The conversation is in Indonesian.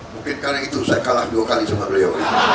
mungkin karena itu saya kalah dua kali sama beliau